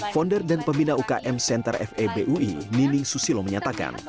founder dan pembina ukm center febui nining susilo menyatakan